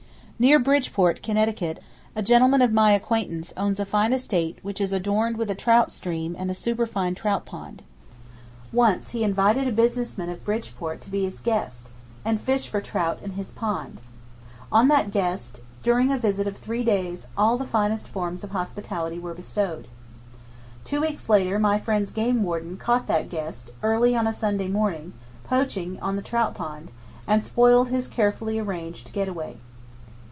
Near Bridgeport, Connecticut, a gentleman of my acquaintance owns a fine estate which is adorned with a trout stream and a superfine trout pond. Once he invited a business man of Bridgeport to be his guest, and fish for trout in his pond. On that guest, during a visit of three days all the finest forms of hospitality were bestowed. Two weeks later, my friend's game warden caught that guest, early on a Sunday morning, poaching on the trout pond, and spoiled his carefully arranged get away.